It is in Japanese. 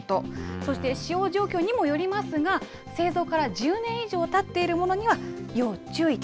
そして使用状況にもよりますが、製造から１０年以上たっているものには、要注意と。